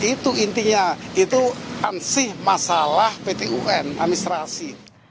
itu intinya itu ansih masalah ptun administrasi